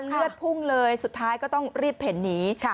เลือดพุ่งเลยสุดท้ายก็ต้องรีบเข็นหนี